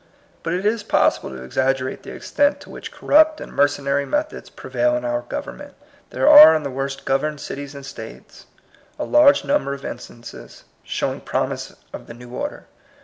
But it is possible to ex aggerate the extent to which corrupt and mercenary methods prevail in our govern ment. There are in the worst governed cities and States a large number of in stances, showing promise of the new order.